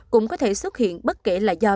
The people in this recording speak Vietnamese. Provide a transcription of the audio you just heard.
cũng có thể xuất hiện bất kể là do